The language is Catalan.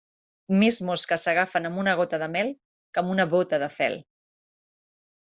Més mosques s'agafen amb una gota de mel que amb una bóta de fel.